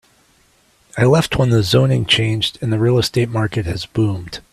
I left when the zoning changed and the real estate market has boomed.